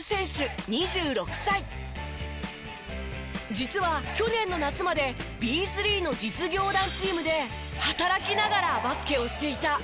実は去年の夏までＢ３の実業団チームで働きながらバスケをしていた苦労人。